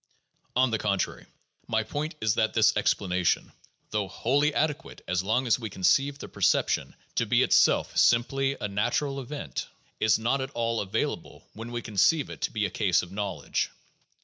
On the contrary, my point is that this explanation, though wholly ade quate as long as we conceive the perception to be itself simply a natural event, is not at all available when we conceive it to be a case of knowledge.